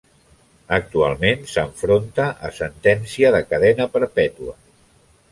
Actualment, s'enfronta a sentència de cadena perpètua.